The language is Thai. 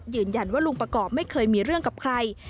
ยืนยันว่าลุงประกอบไม่เคยมีเรื่องกับใคร